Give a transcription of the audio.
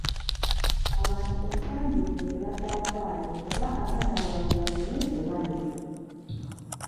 Abantu ensangi zino tebakyafaayo oba abaana baabwe bageme oba nedda.